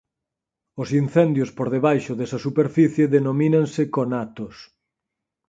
Os incendios por debaixo desa superficie denomínanse conatos.